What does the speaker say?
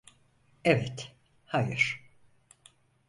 Evet, hayır.